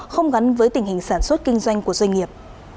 không gắn với tình hình sản xuất kinh doanh của doanh nghiệp